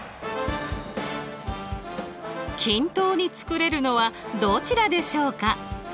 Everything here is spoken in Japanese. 均等に作れるのはどちらでしょうか？